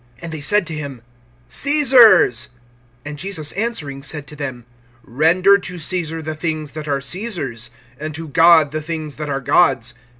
And they said to him: Caesar's. (17)And Jesus answering said to them: Render to Caesar the things that are Caesar's, and to God the things that are God's.